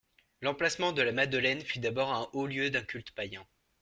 L’emplacement de la Madeleine fut d’abord un haut lieu d’un culte païen.